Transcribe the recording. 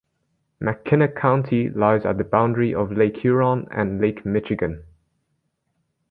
Mackinac County lies at the boundary of Lake Huron and Lake Michigan.